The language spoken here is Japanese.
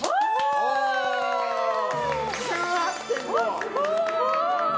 すごーい！